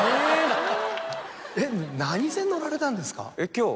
今日？